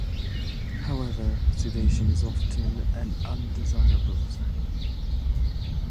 However, sedation is often an undesirable side effect.